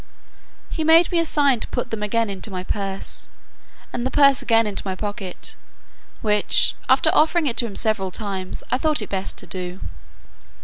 He made me a sign to put them again into my purse, and the purse again into my pocket, which, after offering it to him several times, I thought it best to do.